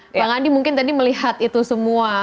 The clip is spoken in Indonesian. pak andi mungkin tadi melihat itu semua